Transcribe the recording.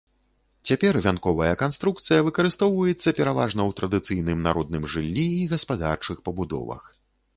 Цяпер вянковая канструкцыя выкарыстоўваецца пераважна ў традыцыйным народным жыллі і гаспадарчых пабудовах.